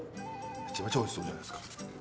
めちゃめちゃおいしそうじゃないですか。